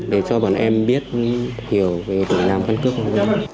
để cho bọn em biết hiểu về làm căn cước công dân